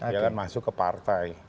ya kan masuk ke partai